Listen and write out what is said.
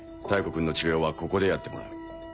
妙子君の治療はここでやってもらう。